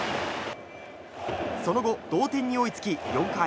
その後、同点に追いつき４回。